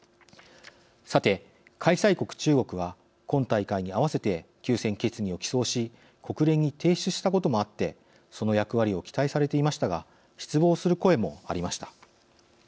さて開催国、中国は今大会に合わせて休戦決議を起草し国連に提出したこともあってその役割を期待されていましたが失望する声もありました。